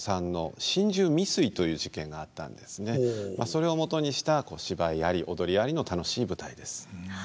それをもとにした芝居あり踊りありの楽しい舞台です。